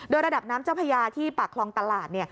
โดยระดับน้ำเจ้าพญาที่ปากคลองตลาด